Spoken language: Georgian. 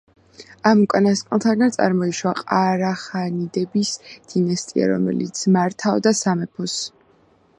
ამ უკანასკნელთაგან წარმოიშვა ყარახანიდების დინასტია, რომელიც მართავდა სამეფოს.